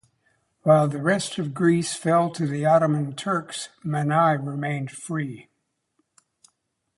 While the rest of Greece fell to the Ottoman Turks, Mani remained free.